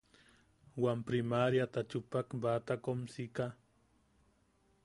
Wam priMaríata chupak batakomsika.